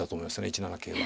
１七桂は。